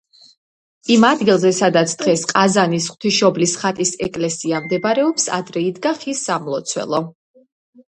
იმ ადგილზე სადაც დღეს ყაზანის ღვთისმშობლის ხატის ეკლესია მდებარეობს, ადრე იდგა ხის სამლოცველო.